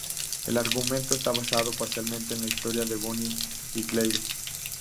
El argumento está basado, parcialmente, en la historia de Bonnie y Clyde.